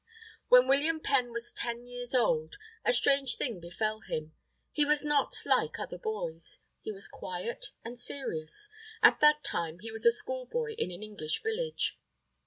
When William Penn was ten years old, a strange thing befell him. He was not like other boys. He was quiet and serious. At that time he was a schoolboy in an English village.